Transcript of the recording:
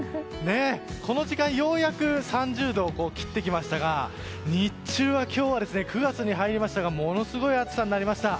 この時間、ようやく３０度を切ってきましたが日中は今日は９月に入りましたがものすごい暑さになりました。